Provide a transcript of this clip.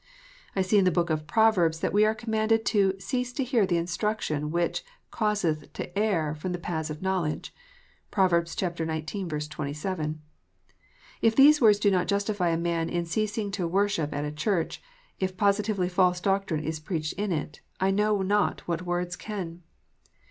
I see in the Book of Proverbs that we are commanded to " cease to hear the instruction which causeth to err from the paths of knowledge." (Prov. xix. 27.) If these words do not justify a man in ceasing to worship at a church, if positively false doctrine is preached in it, I know not what words can.